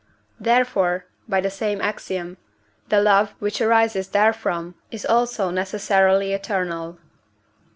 therefore (by the same Axiom) the love which arises therefrom is also necessarily eternal.